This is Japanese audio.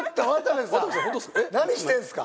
何してんすか？